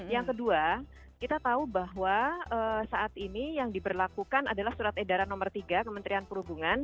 yang kedua kita tahu bahwa saat ini yang diberlakukan adalah surat edaran nomor tiga kementerian perhubungan